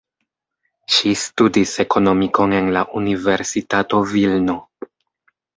Ŝi studis ekonomikon en la Universitato Vilno.